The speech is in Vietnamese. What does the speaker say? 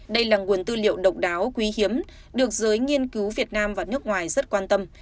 đây là nguồn tư liệu độc đáo quý hiếm được giới nghiên cứu việt nam và nước ngoài rất quan tâm